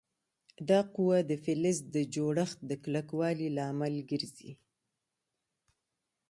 دا قوه د فلز د جوړښت د کلکوالي لامل ګرځي.